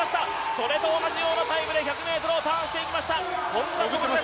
それと同じようなタイムで１００ｍをターンしていきました。